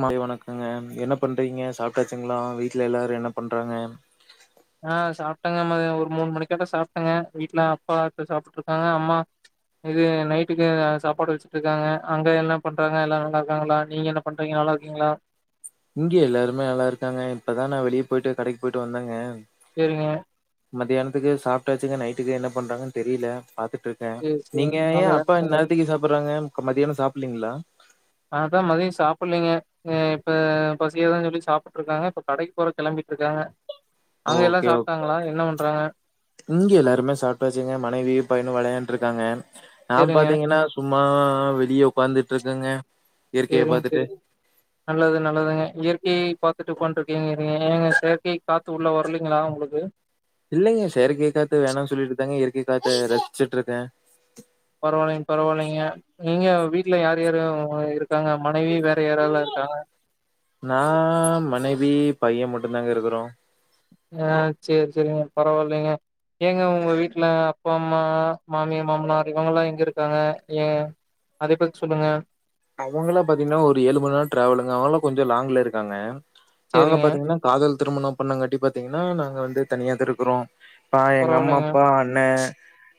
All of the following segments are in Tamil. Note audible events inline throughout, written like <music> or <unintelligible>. மாலை வணக்கங்க என்ன பண்றீங்க சாப்ட்டாச்சுங்களா வீட்டு்ல எல்லாரு என்ன பண்றாங்க ஆ சாப்ட்டங்க மதியான ஒரு மூணு மணிக்கா சாப்ட்டங்க வீட்ல அப்பா சாப்ட்டு இருக்காங்க அம்மா இது நைட்டுக்கு சாப்பாடு வச்சுட்டு இருக்காங்க அங்க என்ன பண்றாங்க எல்லா நல்லா இருக்காங்களா நீங்க என்ன பண்றீங்க நல்லா இருக்கீங்களா இங்கே எல்லாருமே நல்லா இருக்காங்க இப்பதா நா வெளியே போயிட்டு கடைக்கு போயிட்டு வந்தெங்க சேரிங்க மதியானத்துக்கு சாப்டாச்சுங்க நைட்டுக்கு என்ன பண்றாங்கன் தெரியல பாத்து இருக்கே சேரி நீங்க ஏ அப்பா சேரி இந்நேரத்துக்கு சாப்றாங்க அப்ப மதியான சாப்லீங்களா அதா மதியம் சாப்லிங்க அ இப்ப பசில தா சாப்புட்டு இருக்காங்க இப்ப கடைக்கு போற கிளம்பிட்டு இருக்காங்க ஓகே ஓகே பண்றாங்க இங்கியு எல்லாருமே சாப்டாச்சு க மனைவி பையனு விளையான் ன்ட்ருக்காங்க நா சேரிங்க பாத்தீங்கன்னா சும் மா ஆ வெளியே உட்காந்துட்டுருக்கங்க சேரிங் செரி நல்லது நல்லதுங்க இயற்கையை பாத்துட்டு உக்காந் ங்க இருங்க எங்க செயற்கை காத்து உள்ள வரலிங்களா உங்களுக்கு இல்லங்க செயற்கை காத்து வேணான் சொல்லிட்டுதாங்க இயற்கை காத்த ரசிச்சுட்டு இருக்க பரவாயில்லைங்க பரவாயில்லைங்க. நீங்க வீட்ல யார் யாருயாரும் இருக் ருக்காங்க மனைவி வேற யாரல்லா இருக்காங்க வி பைய மட்டு தாங்க இருக்குறோ அ சேரி செரிங்க பரவாயில்லைங்க ஏங்க உங்க வீட்ல அப்பா அம்மா மாமிய மாமனார் இவங்க எல்லா எங்க இருக்காங்க ஏ அத பத்தி சொல்லுங்க அவங்கல பாத்தீங்கன்னா ஒரு ஏழு மணி நேர ட்ராவலுங்க அவங்கல கொஞ்ச லாங்ல இருக்காங்க நாங்க சரிங்க. பாத்தீங்கன்னா காதல் திருமணம் பண்ணாங்கட்டி பாத்தீங்கன்னா நாங்க வந்து தனியா தா இருக்குறோ அ எங்க பரவாயில்லைங்க அம்மப்பா அண்ண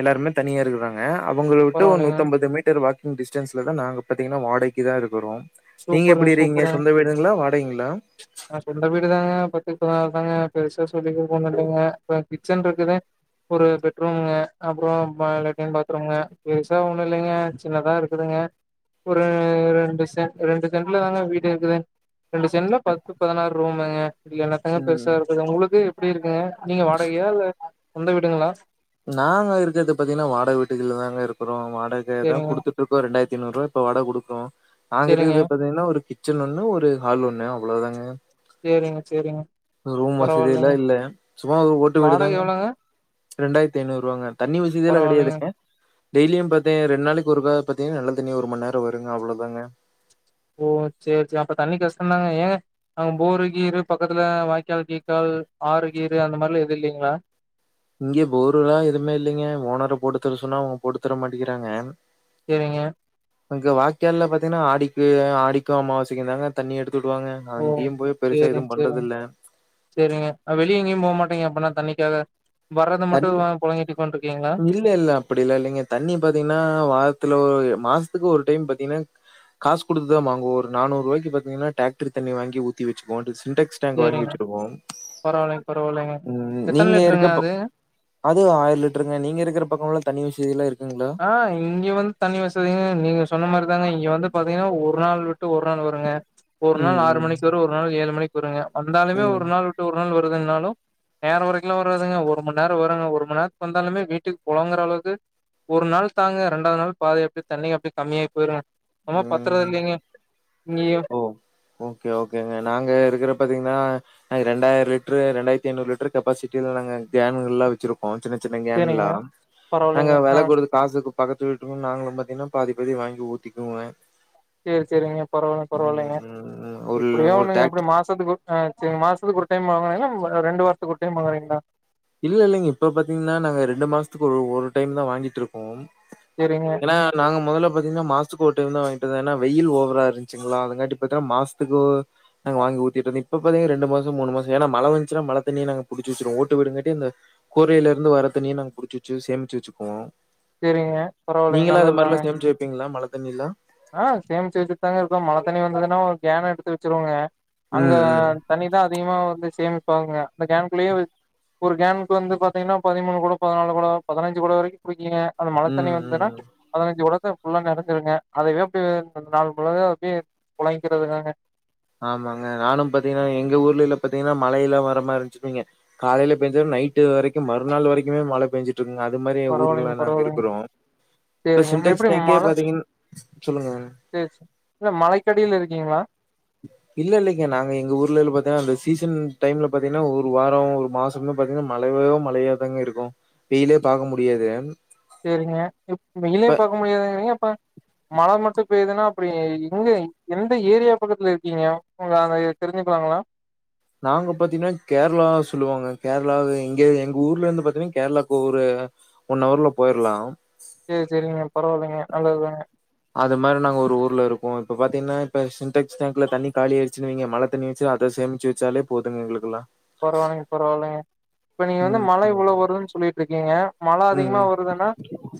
எல்லாருமே தனியா இருக்குறாங்க அவங்கள விட்டு ஒரு பரவாயில்லைங்க. நூத்தம்பது மீட்டர் வாக்கி டிஸ்டன்ஸ்ல தான் நாங்க பாத்தீங்கன்னா வாடகைக்கு தான் இருக்கிறோம் சூப்பருங்க சூப்பரு வாடகைங்களா? சொந்த வீடு தாங்க பட் இப்போ தாங்க பெருசா சொல்லிக ஒன்னும் இல்லைங்க அப்புறம் கிச்சன் இருக்குது ஒரு பெட்ரூம் அப்புறம் லேட்டின் பாத்ரூம் பெருசா ஒன்னும் இல்லைங்க சின்னதாக இருக்குதுங்க ஒரு ரெண்டு சென்டு ரெண்டு செண்டுல தான்ங்க வீடு இருக்குது ரெண்டு சென்ட்ல பத்து பதினாறு ரூமுங்க என்னாத்தங்க ம். பெருசா இருக்குது உங்களுக்கு எப்படி இருக்குங்க நீங்க வாடகையா இல்ல சொந்த வீடுங்களா நாங்க இருக்கிறது பாத்தீங்கன்னா வாடாக வீட்டுகுல தாங்க இருக்குறோம் வாட ரென்ட் தான் சேரிங்க கொடுத்துட்டு இருக்கோம் ரென் ஐநூறுபா இப்ப வாடகை கொடுக்கோனும் நாங்க சேரிங்க இருக்கறத பாத்தீங்கன்னா ஒரு கிச்சன் ஒன்னு ஒரு ஹால் ஒன்னு அவ்வளோதாங்க சேரிங்க சேரிங்க ரூம் வசதி பரவாயில்லைங்க எல்லாம் இல்ல சும்மா ஒரு ஓட்டு வாடகை வீடுதங்க எவ்ளோங்க ரெண்டாயிரத்து ஐந்நூறுவாங்க தண்ணி வசதியெல்லாம் பரவாயில்லைங்க கெடையாதுங்க டெய்லியும் பாத்தேன் ரெண்டு நாளைக்கு ஒரு கா பாத்தீங்கன்ன நல்ல தண்ணி ஒருமணி நேரம் வரும் அவ்வளவு தாங்க ஓ செரி செரி அப்ப தண்ணி கஷ்டம்தாங்க ஏங்க அங்க போரு கீரு பக்கத்துல வாய்க்கால் கீக்கால் ஆறு கீரு அந்த மாதிரில எது இல்லைங்களா இங்கே போர்லாம் எதுவுமே இல்லைங்க ஓனரை போட்டு தர சொன்னா அவங்க போட்டு தர மாட்டேங்கிறாங்க செரிங்க அங்க வாய்கல்ல பாத்தீங்கன்னா ஆடிக்கு ஆடிக்கும் அம்மாவாசைக்குதாங்க தண்ணி எடுத் ஓ செரிங்க செரி இல்ல செரிங்க வெளிய எங்கேயும் போகமாட்டேங்க அப்பனா தண்ணிக்கு தண்ணி இருக்கீங்களா இல்ல இல்ல அப்படி இல்ல இல்லைங்க தண்ணி பாத்தீங்கன்னா வாரத்துல ஒரு மாச ஒரு டைம் பாத்தீங்கன்னா காசு கொடுத்துதான் வாங்குவோம் ஒரு நானூறு ரூபாய்க்கு பாத்தீங்கன டிராக்டர் தண்ணி வாங்கி ஊத்தி வச்சுக்கு வோம் சின்டெக்ஸ் டேங்க் வாங்கி சேரிங்க வச்சிருக்கோம் பரவாயில்லைங்க பரவாயில்லைங்க உம் எத்தன நீங்க லிட்டருங்க இருக்கப்ப அது அது ஆயிரம் லிட்டருங்க நீங்க இருக்கிற பக்கமெல்லாம் தண்ணி வசதில்லாம் இருக்கு ஆஹ் இங்க வந்து தண்ணி வசதிலாம் இருக்குங்க சொன்ன மாதிரிதாங்க இங்க வந்து பாத்தீங்கன்னா ஒரு நாள் விட்டு ஒரு நாள் வருங்க ஒரு நாள் ம் ஆறு ம் மணிக்கு வரும் ஒரு நாள் ஏழு மணிக்கு ங்க வந்தாலுமே ம் ஒரு நாள் விட்டு ஒரு நாள் வா நாலும் நேர வரைக்கும்ல வரதுங்க ஒரு மணி நேரம் வருங்க ஒரு மணி நேரத்துக்கு வந்தாலுமே வீட்டுக்கு பொலங்கற அளவுக்கு ஒரு நாள் தாங்க ரெண்டாவது நாள் பாதியா அப்படி தண்ணி அப்படி கம்மியா போயிடும் ஆம்மா பத்தர ம் இருக்கிங்க ஓ ஓகே ஓகேங்க நாங்க இருகற பாத்தீங்கனா நா ரெண்டாயிரம் லிட்ரு ரெண்டாயிரத்தி ஐநூறு லிட்டர் கெபாசிட்டில நாங்க கேன்களாம் வெச்சிருக்கோம் சின்ன சின் ன சேரிங்க கேன்லா நாங்க பரவாயில்லைங்க ஆ வேலை குடுத்து காசுக்கு பக்கத்து வீட்டுக்கும் நாங்களும் பாத்திங்கனா பாதி பாதி வாங்கி ஊத்திக்குவோங்க செரி செரிங்க பரவா ம் பரவால்லிங்க ம் ம் ஒரு எப்டியோ ஒரு ஒண்ணுங்க எப்டி டிராக்டர் மாசத்துக்கு ஆ செரி மாசத்துக்கு ஒரு டைம் வாங்குறீங்களா ரெண்டு வாரத்துக்கு ஒரு டைம் வாங்குறீங்களா இல்ல இல்லைங்க இப்ப பாத்தீங்னா நாங்க ரெண்டு மாசத்துக்கு ஒரு டைம் தா வாங்கிட்டுருக்கோம் சேரிங்க ஏனா நாங்க மொதல்ல பாத்தீங்கனா மாசத்துக்கு ஓர் டைம் தா வாங்கிட்டு ஏனா வெயில் ஓவரா இருந்துசுங்களா அதுங்காட்டி பாத்த மாசத்துக்கு நாங்க வாங்கி ஊத்திய தண்ணி இப்ப பாத்தீங்கன்னா ரெண்டு மாசம் மூணு மாசம் ஏன மழ பெஞ்சிச்சின்னா மழ தண்ணிய நாங்க புடிச்சு வச்சுருவோம் ஒ ட்டு வீடுங்காட்டி இந்த கூரையில இருந்து வர தண்ணிய நாங்க புடிச்சு வச்சு சேமிச்சு வச்சிப்போம் சேரிங்க பரவாயில்லைங்க நீங்களாம் அந்த நல்லதுதா மாரிலாம் சேமிச்சு வைப்பீங்களா மழ தண்ணிலா ஆ சேமிச்சு வெச்சுட்டுதாங்க இருக்கோ மழ தண்னி வந்ததுனா ஒரு கேன் எடுத்து வெச்சிருவோங்க அங்க ம், ம். தண்ணி தா அதிகமா வந்து சேமிப்பாங்க அந்த கேன்குள்ளயே ஒரு கேன்க்கு வந்து பாத்தீங்னா பதிமூணு குடம் பதினாலு குடம் பதினைஞ்சு குடம் வரைக்கும் பிடிக்குங்க அ மழ தண்ணி ம், வந்துனா ம். பதினஞ்சு குடம் ஃபுல்லா நெறைஞ்சுருங்க அது எப்டி நாள் பொழுது அப்டியே புழைக்கிறதுதாங்க ஆமாங்க நானு பாத்திங்னா எங்க ஊர்ல எல்லா பாத்தீங்கன்னா மழல்லா வரமாருஞ்சிருட்டீங்க காலயில பெஞ்சு நைட்டு வரைக்கும் மறுநாள் வரைக்குமே மழ பெஞ்சு பரவாலிங்க பரவாலிங்க இப்ப செரிங்க நம்ம சின்டெக்ஸ் எப்டி டேங்கே மலை பாத்தீங்கன் சொல்லுங்க. செரி செரி இல்ல மலைக் அடியில இருக்கீங்ளா இல்ல இல்லங்க நாங்க எங்க ஊர்ல பாத்தீங்கனா அந்த சீசன் டைம்ல பாத்தீங்கனா ஒரு வாரம் ஒரு மாசம் பாத்தீங்கனா மழயோ மழயா தாங்க இருக்கும் வெயிலே பாக்க முடியாது செரிங்க வெயிலே இப்ப பாக்க முடியாதுங்குரீங்க அப்ப மழ மட்டு இப்ப எதுன்னா அப்டி எங்க எந்த ஏரியா பக்கத்துல இருக்கீங்க உங்க அந்த தெரிஞ்சுக்கலாங்ளா நாங்க பாத்தீங்கனா கேரளா சொல்லுவாங்க கேரளா எங்க எங்க ஊர்ல இருந்து பாத்தீங்கனா கேரளாக்கு ஒரு ஒன் அவர்ல போயிரலாம் செரி செரிங்க பரவால்லிங்க நல்லது தாங்க அது மாரி நாங்க ஒரு ஊர்ல இருக்கோ இப்ப பாத்தீங்கனா இப்ப சிண்டெக்ஸ் டேங்ல தண்ணி காலி ஆயிடுச்சு வைங்க மழ தண்ணி வச்சு அத சேமிச்சு வச்சாலே போதுங்க எங்களுகுலாம் பரவால்லிங்க பரவால்லிங்க இப்ப நீங்க ம். வந்துமழ இவ்ளோ ம். வருதுன்னு சொல்லிட்டு இருக்கீங்க மழ அதிகமா ம். வருதுனா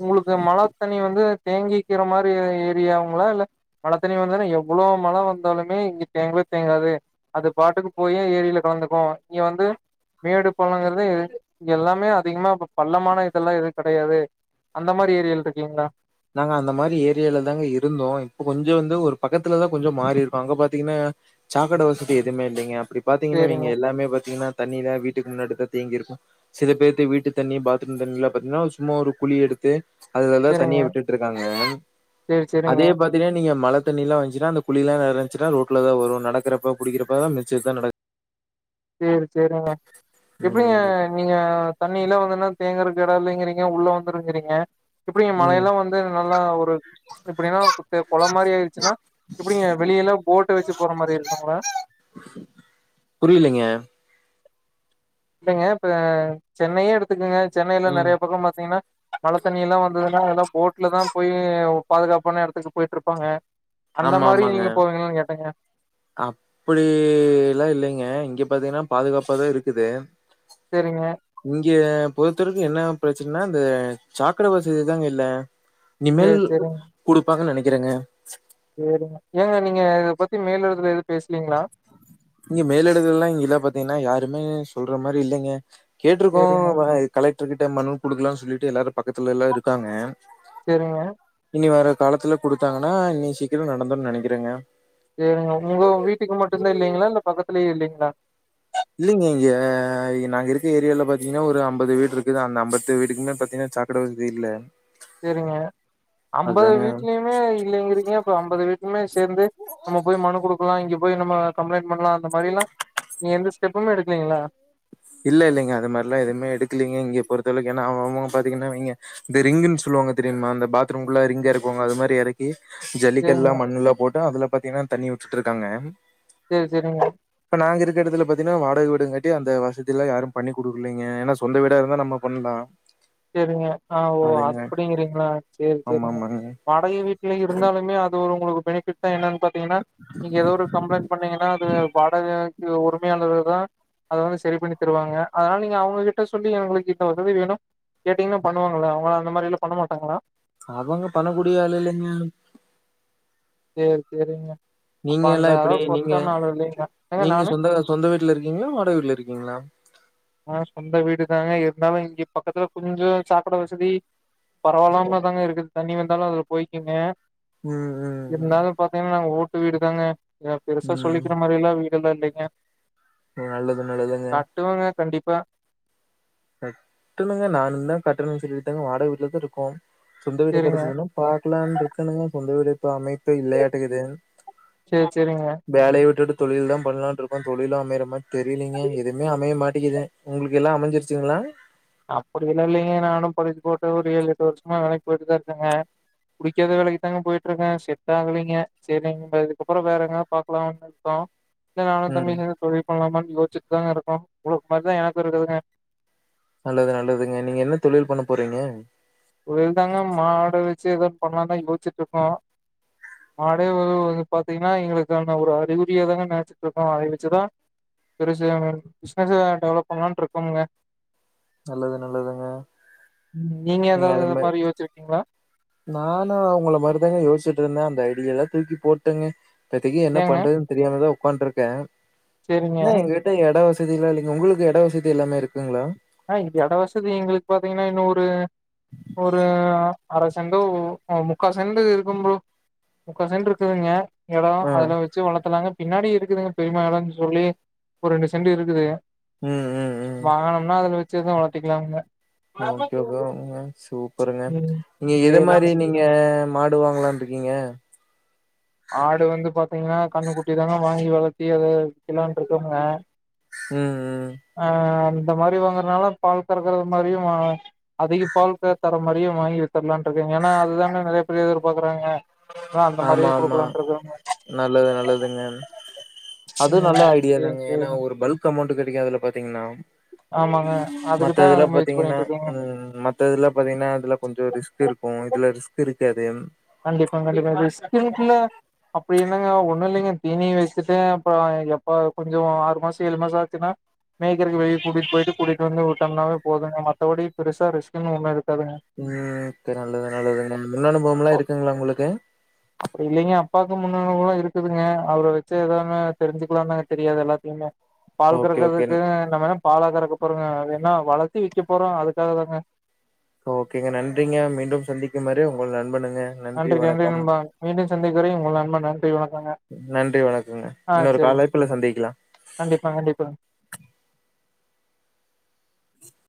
உங்களுக்கு மழ தண்ணி வந்து தேங்கிக்கிற மாரி ஏரியாங்களா இல்ல மழ தண்ணி வந்தாலே எவ்ளோ மழ வந்தாலுமே இங்க தேங்கவே தேங்காது அது பாட்டுக்கு போய் ஏரில கலந்துக்கோ இங்க வந்து மேடு பள்ளங்றதே எல்லாமே அதிகமா பள்ளமான இதெல்லா எது கிடையாது அந்த மாரி ஏரியால இருக்கீங்ளா நாங்க அந்த மாரி ஏரியாலதாங்க இருந்தோ இப்ப கொஞ்சோ வந்து ஒரு பக்கத்துல தா கொஞ்சோ மாரி இருக்கோம் அங்க பாத்தீங்கன்னா சாக்கட வசதி எதுவுமே இல்லிங்க இப்டி பாத்தீங்னா நீங்க சேரிங்க எல்லாமே பாத்தீங்னா தண்ணி தா வீட்டுக்கு முன்னாடி தா தேங்கியிருக்கும் சில பேத்து வீட்டு தண்ணி பாத்ரூம் தண்ணிலாம் பாத்தீன்னா சும்மா ஒரு குழி எடுத்து அதுல தா சேரிங்க தண்ணிய விட் ருக்காங்க சேரி சேரிங்க அதே பாத்தினா நீ ல்லங்க மழ தண்ணில்லா வந்துச்சுனா அந்த குழியெல்லா நெரஞ்சினா ரோட்ல தா வரு நடக்குரப்ப குளிக்கிரப்ப மிதிச்சிட்டு நடக் சேரி செரிங்க எப்டிங்க ம் நீங்க தண்ணிலா வந் லா தேங்குறக்கெடல்லங்கிறீங்க உள்ள வந்துறோங்குறீங்க எப்டிங்க ம் மழயெல்லாம் வந்து நல்லா ஒரு எப்டினா கொள மாரி ஆயிச்சுனா இப்டிங்க வெளியெலா போட்ட வச்சு போற மாரி இருக்குங்ளா டம் இல்லங்க இப்ப சென்னையே எடுத்துக்குங்க சென்னைல ம் நெறைய பக்க பாத்தீங்னா மழ தண்ணிலா வந்ததுனா எல்லா போட்ல தா போயி பாதுகாப்பான இடத்துக்கு போயிட்ருப்பாங்க அந்த மாரி நீங்க போவீங்களானு கேட்டங்க அப்படிலா இல்லைங்க இங்க பாத்தீங்கன்னா பாதுகாப்பாதா இருக்குது செரிங்க இ பொறுத்தருக்கு என்ன பிரச்சனா இந்த சாக்கட வசதிதாங்க இல்ல இனிமெல் சேரி குடுப்பாங்கன் நெனக் க்கிரங்க செரிங்க ஏங்க நீங்க இத பத்தி மேலிடதுல எது பேஸ்ளிங்களா இங்க மேல இடுதலெல்லா இங்கல்ல பாத்தீங்னா யாருமே சொல்ற மாரி இல்லைங்க கேட்ருக்கோ சேரிங்க வய் கலெக் ட்டர்கிட்ட மனு கொடுக்கலாம்னு சொல்லிட்டு எல்லாரு பக்கத்துலல்லா இருக்காங்க சேரிங்க இனி வர்ற காலத்துல கொடுத்தாங்கன்னா இனி சீக்கிர நடந்துருன்னு நினைக்கிறங்க சேரிங்க உங்க வீட்டுக்கு மட்டுந்தா இல்லைங்களா இல்ல பக்கத்துலேயு இல்லைங்களா இல்லிங்க இங்க நாங்க இருக்க ஏரியால பாத்தீங்னா ஒரு அம்பது வீடு இருக்கு அந்த அம்பத்து வீட்டுக்குமே பாத்தீங்கனா சாக்கட வசதி இல்ல செரிங்க அம்பது அதாங்க வீட்லயுமே இல்லேங்கிருங்க அப்ப அம்பது வீட் க்மேஷ் சேர்ந்து நம்ம போய் மனு கொடுக்கலா இங்க போய்நம்ம கம்ப்ளைய்ண் பண்லா அந்த மாரிலா நீங்க எந்த ஸ்டெப்புமே எடுக்கலீங்களா இல்லல்லங்க அது மாரிலா எதுவுமே எடுக்கலீங்க இங்க பொறுத்தளவுக்கு ஏன்னா அவங்க பாத்தீங்கனா வைங்க இந்த ரிங்குன்னு சொல்லுவாங்க தெரியுமா இந்த பாத்ரூமுகுள்ள ரிங்க் எறக்குவாங்க அது மாரி எறக்கி சேரிங்க ஜள்ளிக்கல்லா மண்ணுல்லா போட்டா அதுல பாத்தீங்னா அந் தண்ணி உட்டுட்டுருக்காங்க சேரி செரிங்க நாங்க இருக்க எடத்துல பாத்தீனா வாடக வீடுங் காட்டி அந்த வசதிலா யாரு பண்ணிகுடுக்லீங்க ஏன்னா சொந்த வீடா இருந்தா நம்ம பண்லா செரிங்க ஆ ஓ அதுங்க அப்டிங்கிறீங்களா சேரி ஆமா சேரிங்க ஆமாங்க வாடகை வீட் ல்ல இருந்தாலுமே அது ஒ உங்களுக்கு பெனிபிட் தா என்னன் பாத்தீங்னா நீங்க ஏதோ ஒரு கம்ப்ளைண் பண்ணீங்னா அது வாடக உரிமையாளர்கள் தா அத வந்து சரி பண்ணி தருவாங்க அதனால நீங்க அவுங்ககிட்ட சொல்லி எங்களுக்கு இந்த ஒதவி வேணு கேட்டீங்கன்ன பண்ணுவாங்கள்ள அவங்கள அந்த மாரியிலா பண்ண மாட்டாங்களா அவங்க பண்ணக்கூடியாளு இல்லைங்க சேரி சேரிங்க அப்ப நீங்க எல்லா அந்த எப்டி அளவுக்கு நீங்க ஒர்த்தான ஆளு இல்லைங்க ஏங்க நீங்க நானு சொந்த சொந்த வீட்ல இருக்கீங்ளா வாடக வீட்ல இருக்கீங்ளா ஆ சொந்த வீடுதாங்க இருந்தாலு இங்க பக்கத்துல கொஞ்சோ சாக்கட வசதி பரவால்லாமதாங்க இருக்குது தண்ணி வந்தாலு அதுல போய்க்குங்க ம் ம் இருந்தாலு பாத்தீங்கன்னா நாங் ஓட் வீடுதாங்க ஏ பெருசா ம் ம். சொல்லிக்குற மாரிலா வீட் வீட்ல எல்லா இல்லீங்க நல்லது நல்லதுங்க கண்டிப்பா கட்டணுங்க நானு தா கட்டணுன்னு சொல்லிட்டு தாங்க வாடக வீட்ல தா இருக்கோ சொந்த வீடு சேரிங்க கெடச்சுதுன்னா பாக்கலான்டு இருக்கனுங்க சொந்த வீடு இப்ப அமைப்பு இல்லயாட்டுக்குது சேரி சேரிங்க வேலைய உட்டுட்டுப் தொழில்தா பண்ணலான்ருக்கொ தொழிலும் அமையற மாரி தெரியலங்க எதுவுமே அமைய மாட்டிக்கிது உங்களுக்கு எல்லா அமஞ்சிருச் சேரிங்ளா அப்டி எல்லா இல்லிங்க நானும் படுச்சுப் போட்டு ஒரு ஏழு எட்டு வருஷமா வேலைக்கு போயிட்டுதா இருக்கேங்க புடிக்காத வேலைக்கு தாங்க போயிட்ருக்க செட் ஆகலீங்க சேரிங்க அதுக்குக்கப்புறோ வேற எங்கா பாக்கலாம்னு இருக்கோ இல்ல நானு ம் தம்பியு சேந்து தொழில் பண்லாமானு யோச் சிப்தாங்க இருக்கொ உங்குளுக் மாரித எனக்கு இருக்குதுங்க நல்லது நல்லதுங்க நீங்க என்ன தொழில் பண்ண போறீங்க ஒரு இது தாங்க மாட வெச்சு எதோன் பண்லான்தா யோஸ்ச்சுட்டு இருக்கோ மாடே வ பாத்தீங்ன்னா எங்களுக்கான ஒரு அறிகுறியா தாங்க நெனச்சுட்டு இருக்கோ அத வெச்சுதா பெருசா பிஸ்னஸு டெவலப் பண்லான்ட்டு இருக்கோமுங்க நல்லது நல்லதுங்க ம், நீங்க ஏதாவது வேல அது இல்ல மாரி யோசிச்சிருக்கீங்களா நானு உங்கள மாருதாங்க யோசுட்டு இருந்த அந்த மீதில்லாம் தூக்கி போட்டங்க இப்பத்திகு என்ன ஏங்க பண்றதுன் தெரியாமதா ஒக் உட்கான்ட்ருக்கே சரிங்க நா எங்ககிட்ட எடோ வஸ் தெறித இல்லங்கள உங்களுக்கு எட வசதி எல்லாமே இருக்குங்களா ஆ இது எட வசதி எங்களுக்கு பாத்தீங்கன்னா இன்ன ஒரு ஒரு அர சென்டோ முக்கா சென்டு இருக்கும் ஃப்ரோ முக்கா சென்ட் இருக்குதுங்க இடத ஆ. அதுல வச்சு வளத்துலாங்க பின்னாடி இருக்குதுங்க பெருமயாலம்ன் சொல்லி ஒரு ரெண்டு சென்டு இருக்குது ம், ம், ம். வாகனம் து வச்சுதா வளர்த்திக்கலாங்க ஒகே ப்ரோ சூப்பருங்க ம் நீங்க எத சேரி மாரி நீங்க மாட் உடுவாங்லான்டு இருக்கீங்க ஆடு வந்து பாத்தீங்கன்னா கண்ணு குட்டி தாங்க வாங்கி வளத்தி அத விக்கலான்டு இருக்கோங்க ம், ம். ஆ அம் இந்த மாரி வாங்குறனால பால் கறக்கறது மாரியும் அதிக பால் தர மாரியும் வாங்கி வித்ரலான்ருக்கேங்க ஏன்னா அதுதானே நிறைய பேர் எதிர்பாக்கறாங்க நா அந்த மாரி ஆமா, ஆமா நல்லது நல்லதுங்க அது ம் நல்ல ஐடியா சேரி தாங்க ஏன்னா சேரிங்க ஒரு பல்க் அமௌண்ட் க புடிக்காதுல்ல பாத்தீங்கன்னா ஆமாங்க அதுக்குதா மத்ததுல்லாம் முயற்சி பாத்தீங்கன்னா பண்ணிட்டு இருக்கேங்க ம் மத்த இதுல்லாம் பாத்தீங்கன்னா இதுல கொஞ்ச ரிஸ்க் இருக்கு இதுல ரிஸ்க் தீருக்கேதையம் அப்பஇங்காட்டுக்கு ரிஸ்க் இருக்குல்ல அப்ப என்னங்க ஒண்ணு இல்லைங்க தீனி வச்சட்டு அப்ப எப்பா கொஞ்ச ஆறு மாச ஏழு மாச ஆச்சுன்னா மேக்கு வெலிய கூட்டிட்டு போயிட்டு கூட்டிட்டு வந்து விட்டோம்னாவே போதுங்க மத்தபடி பெருசா ரிஸ்க்னு ஒன்னு ம் ஓகே து நல்லது நல்லது முன்னனுபோ இதுவா இருக்குங்ளா உங்களுக்கு அப்படி இல்லிங்க அப்பாவுக்கு முன்னணுவோலா இருக்குதுங்க அவர வச்சு எதாவது தெரிஞ்சுக்கலாம்னுங்க தெரியாது எல்லாத்தையுமே பால் ஓகே ஓகே கரக்குறதுக்குனு இனமேதா பாலா கறக்க போறங்க என்னா வளர்த்தி விற்க போறோ அதுக்காக தாங்க ஓகேங்க நன்றிங்க மீண்டும் சந்திக்கும் வரை உங்கள் நண்பனு நன்றி நன்றி நண்பா மீண்டும் சந்திக்கிறே உங்க நண்ப நன்றி வணக்கங்க நன்றி வணக்கங்க ஆ இன்னொரு கால் செரிங் அழைப்புல சந்திக்கலாம் கண்டிப்பா கண்டிப்பா <unintelligible>